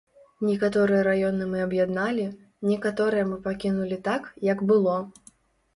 Некаторыя раёны мы аб'ядналі, некаторыя мы пакінулі так, як было.